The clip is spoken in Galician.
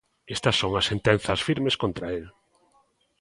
Estas son as sentenzas firmes contra el.